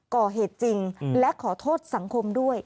ก่อเหตุจริงและขอโทษสังคมด้วย